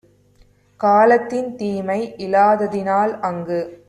காலத்தின் தீமை இலாததினால் அங்கு